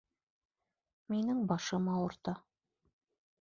Минең башым ауырта.